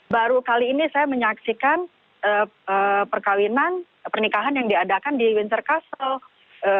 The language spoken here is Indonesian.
baru kali ini saya menyaksikan perkawinan pernikahan yang diadakan di windsor castle